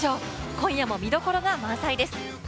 今夜も見所が満載です。